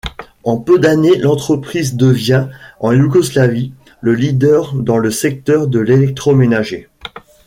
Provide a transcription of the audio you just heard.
En peu d'années l'entreprise devient, en Yougoslavie, le leader dans le secteur de l’électroménager.